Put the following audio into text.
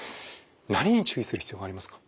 何に注意する必要がありますか？